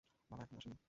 বাবা এখনো আসেনি?